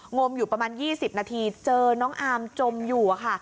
งมอยู่ประมาณ๒๐นาทีเจอน้องอาร์มจมอยู่ค่ะ